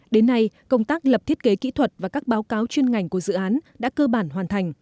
đến nay công tác lập thiết kế kỹ thuật và các báo cáo chuyên ngành của dự án đã cơ bản hoàn thành